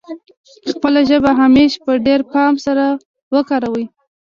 خپله ژبه همېش په ډېر پام سره وکاروي.